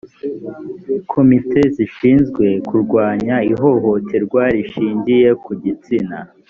komite zishinzwe kurwanya ihohoterwa rishingiye ku gitsina